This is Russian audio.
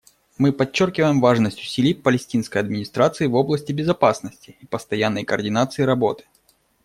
Мы подчеркиваем важность усилий Палестинской администрации в области безопасности и постоянной координации работы.